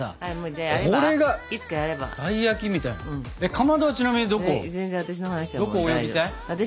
かまどはちなみにどこ泳ぎたい？